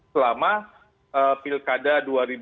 selama pilkada dua ribu delapan belas